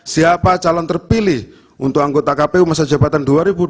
siapa calon terpilih untuk anggota kpu masa jabatan dua ribu dua puluh dua dua ribu dua puluh tujuh